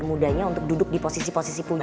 atau mudanya untuk duduk di posisi posisi puncak